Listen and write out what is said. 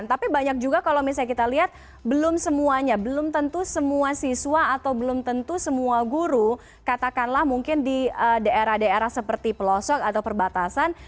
tapi banyak juga kalau misalnya kita lihat belum semuanya belum tentu semua siswa atau belum tentu semua guru katakanlah mungkin di daerah daerah seperti pelosok atau perbatasan